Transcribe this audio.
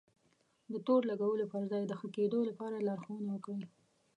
د تور لګولو پر ځای د ښه کېدو لپاره لارښونه وکړئ.